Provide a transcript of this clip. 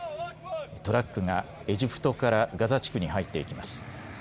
トラックがエジプトからガザ地区に入っていきます。